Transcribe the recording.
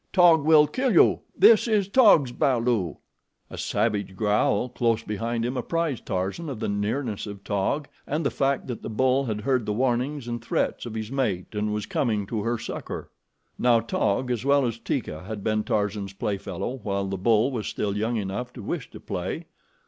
Taug will kill you. This is Taug's balu." A savage growl close behind him apprised Tarzan of the nearness of Taug, and the fact that the bull had heard the warnings and threats of his mate and was coming to her succor. Now Taug, as well as Teeka, had been Tarzan's play fellow while the bull was still young enough to wish to play.